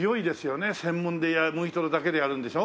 専門で麦とろだけでやるんでしょ？